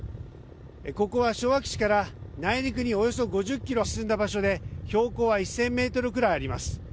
ここは昭和基地から内陸におよそ５０ｋｍ進んだ場所で標高は１０００ｍくらいあります。